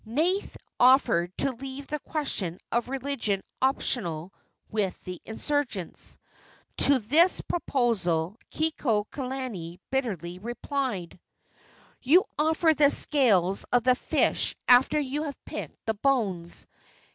Naihe offered to leave the question of religion optional with the insurgents. To this proposal Kekuaokalani bitterly replied: "You offer the scales of the fish after you have picked the bones.